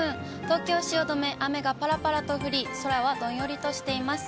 東京・汐留、雨がぱらぱらと降り、空はどんよりとしています。